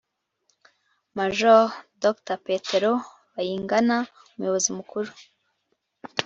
majoro dr. petero bayingana: umuyobozi mukuru